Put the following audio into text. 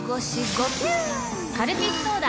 カルピスソーダ！